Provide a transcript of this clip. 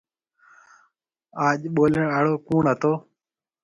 آج ٻولڻ آݪو ڪوُڻ هتو۔